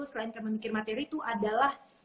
selain kami memikir materi itu adalah